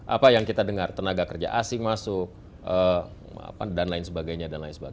apa yang kita dengar tenaga kerja asing masuk dan lain sebagainya